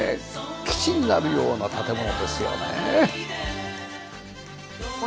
基地になるような建物ですよね。